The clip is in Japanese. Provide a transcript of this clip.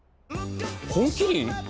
「本麒麟」